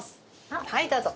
はいどうぞ。